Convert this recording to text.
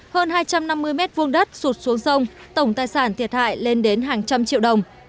hơn hai trăm năm mươi m hai đất sụt xuống sông tổng tài sản thiệt hại lên đến hàng trăm triệu đồng